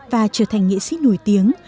và trở thành nghệ sĩ nổi tiếng